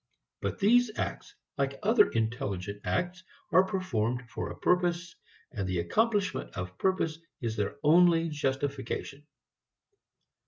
But these acts like other intelligent acts are performed for a purpose, and the accomplishment of purpose is their only justification.